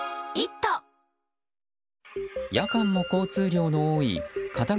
夜間も交通量の多い片側